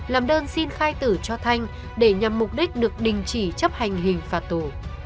làm đơn xin khai tử cho thanh để nhằm mục đích được đình chỉ chấp hành hình phạt tù